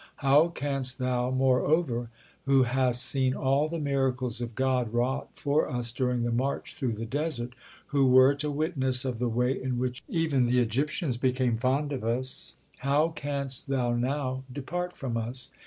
How canst thou, moreover, who hast seen all the miracles of God wrought for us during the march through the desert; who wert a witness of the way in which even the Egyptians became fond of us how canst thou now depart from us?